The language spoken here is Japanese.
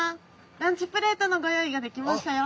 ランチプレートのご用意ができましたよ。